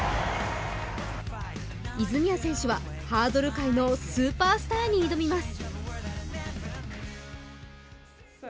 泉谷選手はハードル界のスーパースターに挑みます。